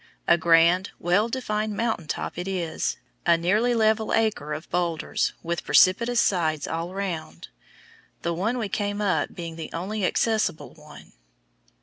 A grand, well defined mountain top it is, a nearly level acre of boulders, with precipitous sides all round, the one we came up being the only accessible one.